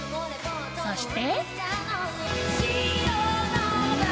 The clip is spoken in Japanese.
そして。